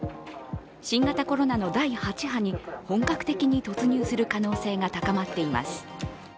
新型コロナの第８波に本格的に突入する可能性が高まっています。